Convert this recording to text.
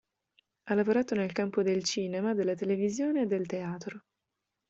Ha lavorato nel campo del cinema, della televisione e del teatro.